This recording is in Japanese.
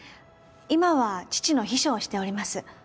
今は父の秘書をしております。